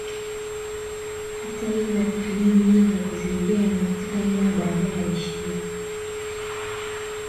Hata hivyo kwa kutumia mbinu za kuzingira na kuteka nyara baadaye alishindwa